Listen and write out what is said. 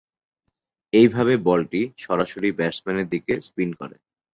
এইভাবে বলটি সরাসরি ব্যাটসম্যানের দিকে স্পিন করে।